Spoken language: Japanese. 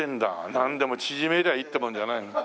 なんでも縮めりゃいいってもんじゃないな。